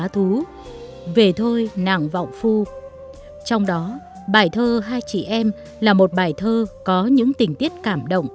thì tôi thấy là thơ quan trọng